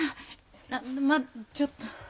ああちょっと。